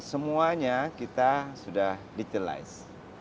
semuanya kita sudah digitalize